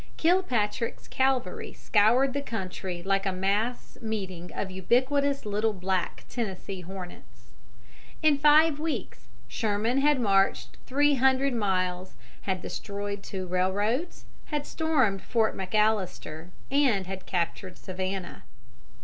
Kilpatrick's cavalry scoured the country like a mass meeting of ubiquitous little black Tennessee hornets. In five weeks Sherman had marched three hundred miles, had destroyed two railroads, had stormed Fort McAllister, and had captured Savannah.